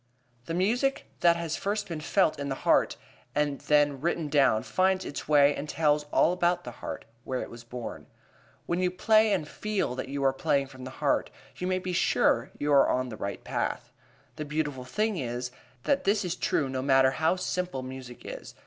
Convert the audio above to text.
The music that has first been felt in the heart and then written down finds its way and tells all about the heart, where it was born. When you play and feel that you are playing from the heart, you may be sure you are on the right path. The beautiful thing is, that this is true no matter how simple music is.